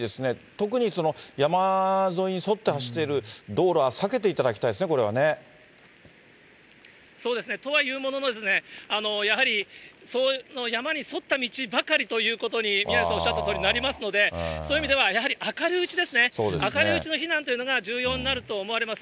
特に山沿いに沿って走っている道路は避けていただきたいですね、そうですね、とはいうものの、やはり山に沿った道ばかりということに、宮根さんおっしゃったとおりになりますので、そういう意味では、やはり明るいうちですね、明るいうちの避難というのが重要になると思われます。